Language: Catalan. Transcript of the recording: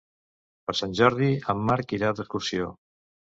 Per Sant Jordi en Marc irà d'excursió.